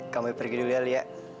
kami pergi dulu ya lia